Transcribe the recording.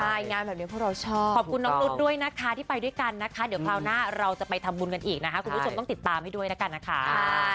ใช่งานแบบนี้พวกเราชอบขอบคุณน้องนุ๊ดด้วยนะคะที่ไปด้วยกันนะคะเดี๋ยวคราวหน้าเราจะไปทำบุญกันอีกนะคะคุณผู้ชมต้องติดตามให้ด้วยแล้วกันนะคะ